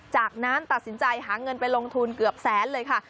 จากนั้นตัดสินใจหาเงินไปลงทุนเกือบแสนเลยค่ะ